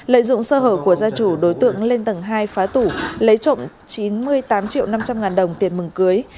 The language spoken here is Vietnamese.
lợi dụng sơ hở của gia chủ đối tượng lên tầng hai phá tủ lấy trộm chín mươi tám triệu năm trăm linh ngàn đồng tiền mừng cưới